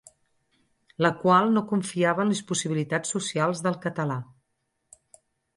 La qual no confiava en les possibilitats socials del català.